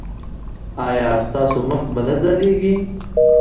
ایا ستاسو مخ به نه ځلیږي؟